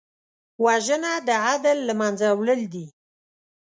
وژنه د عدل له منځه وړل دي